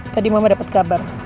tadi mama dapet kabar